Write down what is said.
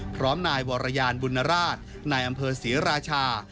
พร้อมนายวรยานบุญราชนายอำเภอศรีราชา